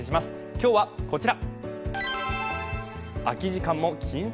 今日はこちら。